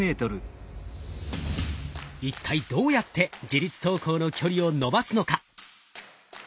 一体どうやって自律走行の距離を延ばすのか？